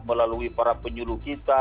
melalui para penyuluh kita